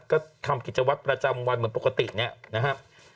ก็ทำกิจวัตรประจำวันเหมือนปกติเนี่ยนะครับ